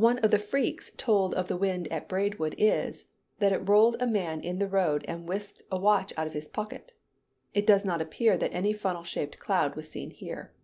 One of the freaks told of the wind at Braidwood is, that it rolled a man in the road and whisked a watch out of his pocket. It does not appear that any funnel shaped cloud was seen here.